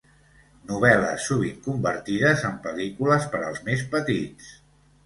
Novel·les sovint convertides en pel·lícules per als més petits.